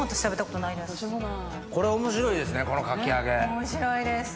面白いです。